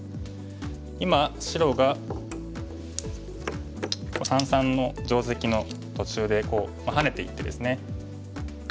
今白が三々の定石の途中でハネていってですね。